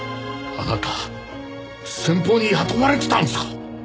あなた先方に雇われてたんですか？